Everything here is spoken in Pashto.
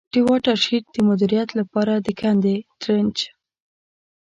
د واټر شید د مدیریت له پاره د کندي Trench.